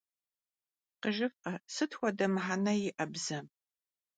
Khıjjıf'e, sıt xuede mıhene yi'e bzem!